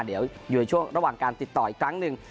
เดี๋ยวอยู่ในช่วงระหว่างการติดต่ออีกครั้งหนึ่ง